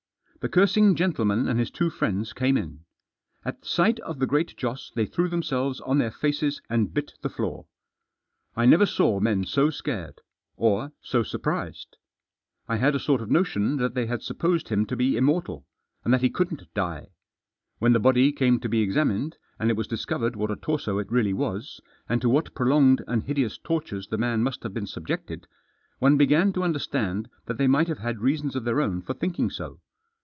The cursing gentleman and his two friends came in. At sight of the Great Joss they threw themselves on their faces, and bit the floor. I never saw men so scared. Or so surprised. I had a sort of notion that they had supposed him to be immortal, and that he couldn't die. When the body came to be examined, and it was discovered what a torso it really was, and to what prolonged and hideous tortures the man must have been subjected, one began to understand that they might have had reasons of their own for thinking so.